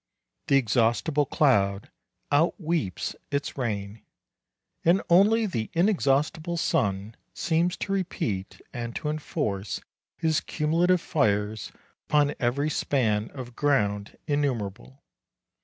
The exhaustible cloud "outweeps its rain," and only the inexhaustible sun seems to repeat and to enforce his cumulative fires upon every span of ground, innumerable.